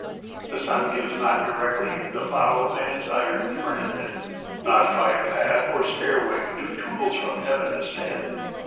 The sun gives not directly The plough, man's iron friend; Not by a path or stairway Do tools from Heaven descend.